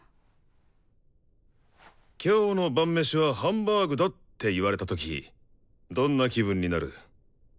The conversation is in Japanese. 「今日の晩飯はハンバーグだ！」って言われた時どんな気分になる？